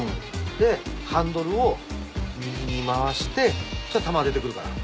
でハンドルを右に回してそしたら玉が出てくるから。